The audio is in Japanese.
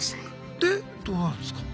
でどうなるんすか？